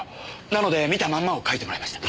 なので見たまんまを描いてもらいました。